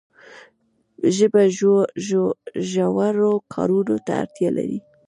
ژبه ژورو کارونو ته اړتیا لري.